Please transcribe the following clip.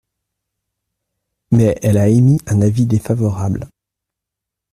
Mais elle a émis un avis défavorable.